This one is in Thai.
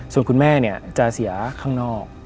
ส่วนคุณแม่จะเสียข้างนอก